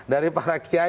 dari para kia